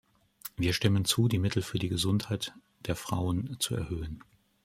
Wir stimmten zu, die Mittel für die Gesundheit der Frauen zu erhöhen.